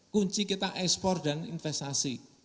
kunci kita ekspor dan investasi